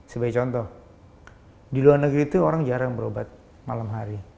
sebagai contoh di luar negeri itu orang jarang berobat malam hari